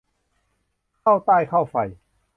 เข้าไต้เข้าไฟ